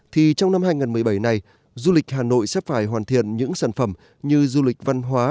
thì trong năm hai nghìn một mươi bảy này du lịch hà nội sẽ phải hoàn thiện những sản phẩm như du lịch văn hóa